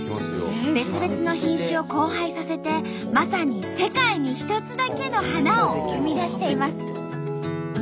別々の品種を交配させてまさに「世界に一つだけの花」を生み出しています。